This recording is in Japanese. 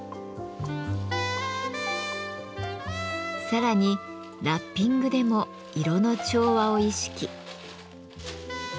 さらにラッピングでも色の調和を意識。